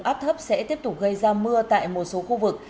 cục bộ áp thấp sẽ tiếp tục gây ra mưa tại một số khu vực